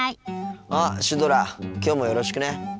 あっシュドラきょうもよろしくね。